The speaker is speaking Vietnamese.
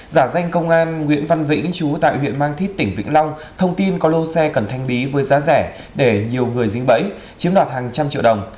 giả danh công an nguyễn văn vĩnh chú tại huyện mang thít tỉnh vĩnh long thông tin có lô xe cần thanh bí với giá rẻ để nhiều người dính bẫy chiếm đoạt hàng trăm triệu đồng